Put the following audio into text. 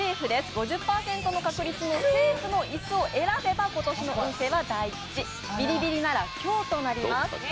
５０％の確率でセーフの椅子を選べば今年の運勢は大吉ビリビリなら凶となります。